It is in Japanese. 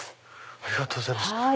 ありがとうございます。